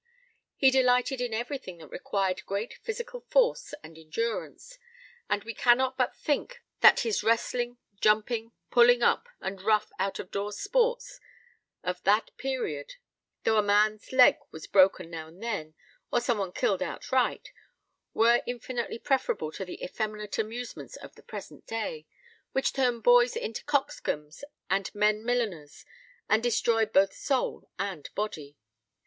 He delighted in everything that required great physical force and endurance; and we cannot but think that the wrestling, jumping, pulling up, and rough out door sports of that period, though a man's leg was broken now and then, or somebody killed outright, were infinitely preferable to the effeminate amusements of the present day, which turn boys into coxcombs and men milliners, and destroy both soul and body.